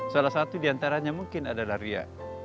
salah satu diantaranya mungkin adalah ria